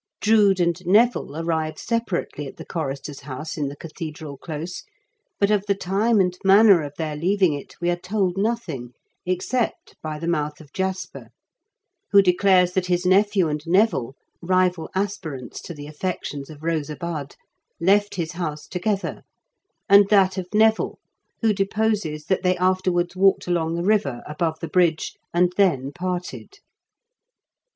Drood and Neville arrive separately at the chorister's house in the cathedral close, but of the time and manner of their leaving it we are told nothing, except by the mouth of Jasper, who declares that his nephew and Neville, rival aspirants to the affections of Rosa Bud, left his house together, and that of Neville, who deposes that they afterwards walked along the river, above the bridge, and then parted.